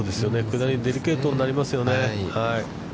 下り、デリケートになりますよね。